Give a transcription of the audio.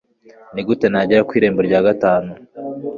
nigute nagera ku irembo rya gatanu